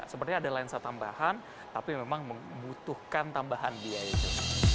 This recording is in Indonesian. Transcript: sebenarnya ada lensa tambahan tapi memang membutuhkan tambahan biaya itu